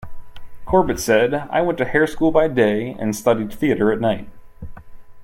Corbett said, I went to hair school by day and studied theatre at night.